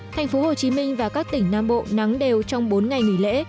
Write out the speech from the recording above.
thành phố hồ chí minh và các tỉnh nam bộ nắng đều trong bốn ngày nghỉ lễ